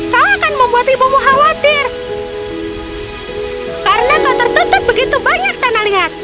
kau akan membuat ibumu khawatir karena tidak tertutup begitu banyak tanah liat